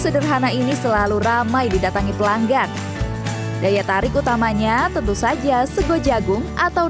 sederhana ini selalu ramai didatangi pelanggan daya tarik utamanya tentu saja sego jagung atau